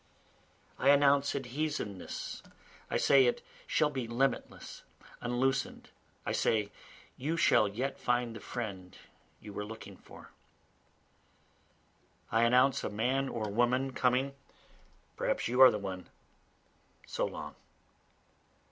I announce adhesiveness, I say it shall be limitless, unloosen'd, I say you shall yet find the friend you were looking for. I announce a man or woman coming, perhaps you are the one, (So long!)